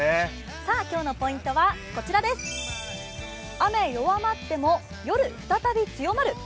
今日のポイントは、雨弱まっても夜、再び強まる。